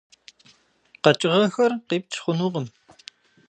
КъэкӀыгъэхэр къипч хъунукъым.